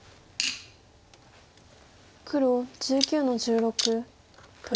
黒１９の十六取り。